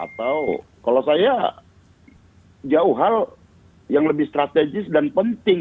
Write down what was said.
atau kalau saya jauh hal yang lebih strategis dan penting